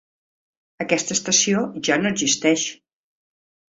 Aquesta estació ja no existeix.